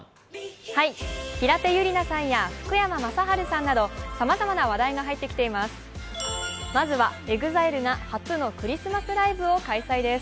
平手友梨奈さんや福山雅治さんなどさまざまな話題が入ってきています。